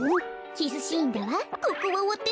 キスシーンだわここはわたしが！